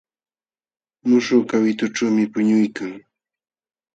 Muśhuq kawitućhuumi puñuykan.